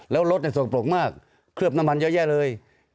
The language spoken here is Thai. แล้วรถสกปรกมากเคลือบน้ำมันเยอะแยะเลย